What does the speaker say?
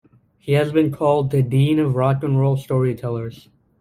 He has been called "the dean of rock 'n' roll storytellers".